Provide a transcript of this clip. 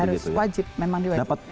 harus wajib memang diwajib